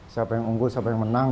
siapa yang unggul siapa yang menang